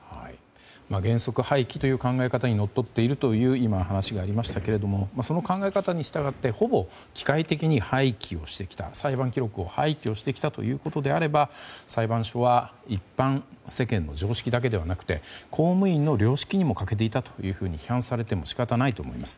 原則廃棄という考え方にのっとっているという今、お話がありましたけどもその考え方に従ってほぼ機械的に裁判記録を廃棄をしてきたということであれば裁判所は一般世間の常識だけではなくて公務員の良識にも欠けていたというふうに批判されても仕方がないと思います。